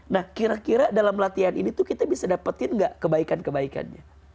nah kira kira dalam latihan ini tuh kita bisa dapetin nggak kebaikan kebaikannya